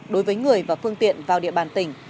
đối với người và phương tiện vào địa bàn tỉnh